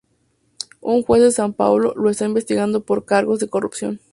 Un juez de Sao Paulo lo está investigando por cargos de corrupción.